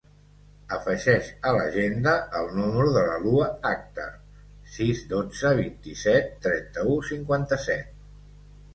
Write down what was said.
Afegeix a l'agenda el número de la Lua Akhtar: sis, dotze, vint-i-set, trenta-u, cinquanta-set.